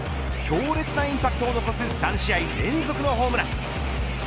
強烈なインパクトを残す３試合連続のホームラン。